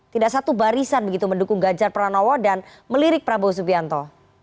tidak satu barisan begitu mendukung gajar peran awal dan melirik prabowo subianto